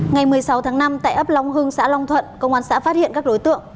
ngày một mươi sáu tháng năm tại ấp long hưng xã long thuận công an xã phát hiện các đối tượng